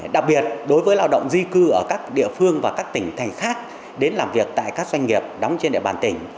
người lao động di cư ở các địa phương và các tỉnh thành khác đến làm việc tại các doanh nghiệp đóng trên địa bàn tỉnh